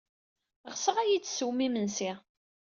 Ɣseɣ ad iyi-d-tessewwem imensi.